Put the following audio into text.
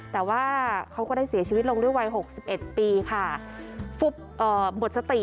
แต่ว่าเขาก็ได้เสียชีวิตลงด้วยวัยหกสิบเอ็ดปีค่ะฟุบเอ่อหมดสติ